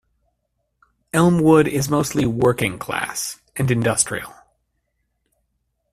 Elmwood is mostly working-class and industrial.